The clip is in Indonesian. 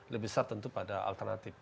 lebih besar tentu pada alternatif